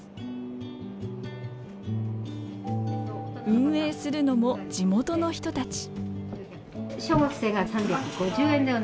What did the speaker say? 運営するのも地元の人たち。